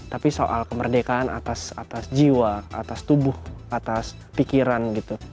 tapi soal kemerdekaan atas jiwa atas tubuh atas pikiran gitu